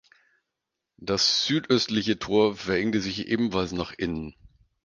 Das südöstliche Tor verengte sich ebenfalls nach innen.